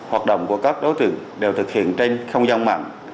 hoạt động của các đối tượng đều thực hiện trên không gian mạng